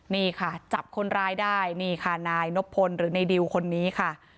นี่ค่ะจับคนร้ายได้นี่ค่ะนายนบพลหรือในดิวคนนี้ค่ะ